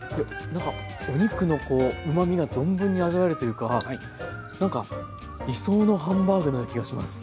何かお肉のこううまみが存分に味わえるというか理想のハンバーグのような気がします。